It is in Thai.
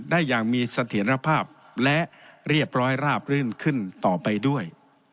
ได้อย่างมีเสถียรภาพและเรียบร้อยราบรื่นขึ้นต่อไปด้วย